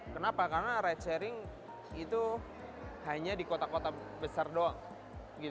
kenapa karena ride sharing itu hanya di kota kota besar doang